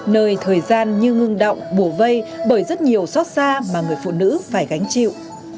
nơi thời gian như ngưng động bổ vây bởi rất nhiều xót xa mà người phụ nữ phải gánh chịu